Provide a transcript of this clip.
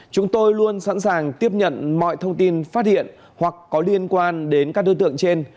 chúng tôi luôn sẵn sàng tiếp nhận mọi thông tin phát hiện hoặc có liên quan đến các đối tượng trên